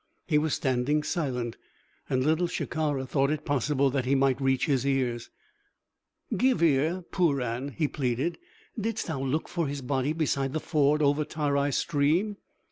He was standing silent, and Little Shikara thought it possible that he might reach his ears. "Give ear, Puran," he pleaded. "Didst thou look for his body beside the ford over Tarai stream?"